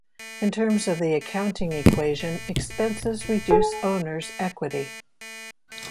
In terms of the accounting equation, expenses reduce owners' equity.